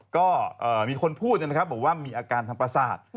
ก็มีคนพูดนะครับบอกว่ามีอาการทางประสาท